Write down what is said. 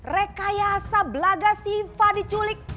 rekayasa belaga shiva diculik